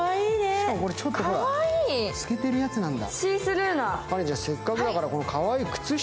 しかも、これ、ちょっと透けてるやつなんだ。